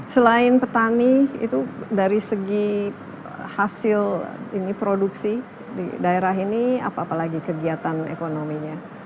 selain petani itu dari segi hasil produksi di daerah ini apa apa lagi kegiatan ekonominya